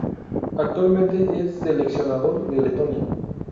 Actualmente es seleccionador de Letonia.